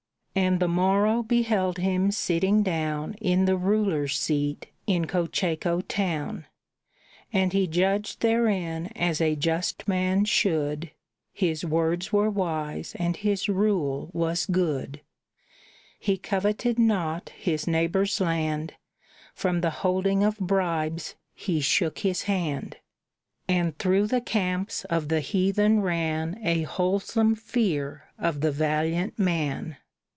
And the morrow beheld him sitting down In the ruler's seat in Cocheco town. And he judged therein as a just man should; His words were wise and his rule was good; He coveted not his neighbor's land, From the holding of bribes he shook his hand; And through the camps of the heathen ran A wholesome fear of the valiant man.